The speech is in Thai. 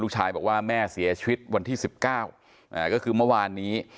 ลูกชายบอกว่าแม่เสียชีวิตวันที่๑๙ก็คือเมื่อวานนี้